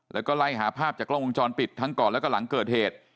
แล้วก็ไล่หาภาพจากกล้องวงจรปิดทั้งก่อนแล้วก็หลังเกิดเหตุ